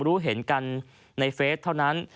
รู้เห็นกันในเฟสเท่านั้น